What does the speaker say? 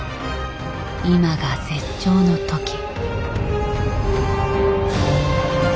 今が絶頂の時。